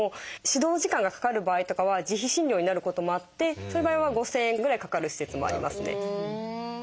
指導時間がかかる場合とかは自費診療になることもあってそういう場合は５，０００円ぐらいかかる施設もありますね。